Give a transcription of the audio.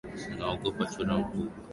Naogopa chura mkubwa.